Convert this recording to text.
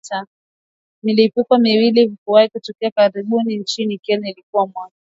Milipuko miwili kuwahi kutokea karibuni nchini Kenya ilikuwa mwaka